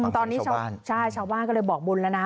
ตอนนี้ชาวบ้านก็เลยบอกบุญแล้วนะ